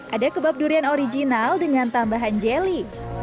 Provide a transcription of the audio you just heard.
ada kebab durian original dengan tambahan jelly